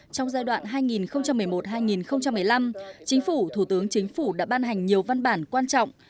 trong giai đoạn hai nghìn một mươi một hai nghìn một mươi năm chính phủ thủ tướng chính phủ đã ban hành nhiều văn bản quan trọng